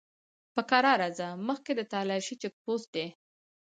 په کرار ځه! مخکې د تالاشی چيک پوسټ دی!